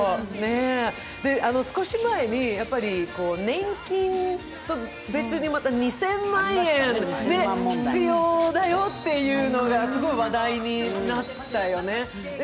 少し前に年金と別にまた２０００万円必要だよっていうのがすごい話題になったよね。